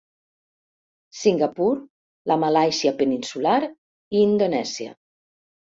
Singapur, la Malàisia peninsular i Indonèsia.